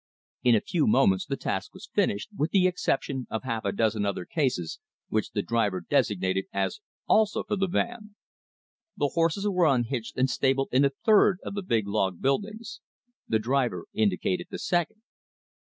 In a few moments the task was finished, with the exception of a half dozen other cases, which the driver designated as also for the "van." The horses were unhitched, and stabled in the third of the big log buildings. The driver indicated the second.